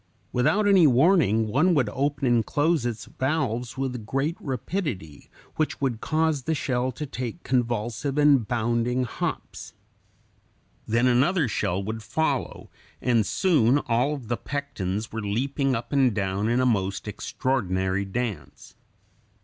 Without any warning, one would open and close its valves with great rapidity, which would cause the shell to take convulsive and bounding hops. Then another shell would follow, and soon all the pectens were leaping up and down in a most extraordinary dance.